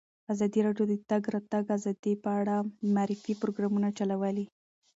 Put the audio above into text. ازادي راډیو د د تګ راتګ ازادي په اړه د معارفې پروګرامونه چلولي.